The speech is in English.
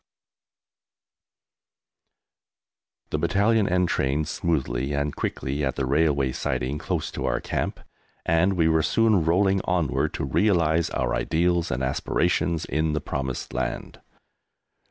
E.F. The Battalion entrained smoothly and quickly at the railway siding close to our camp and we were soon rolling onward to realize our ideals and aspirations in the Promised Land.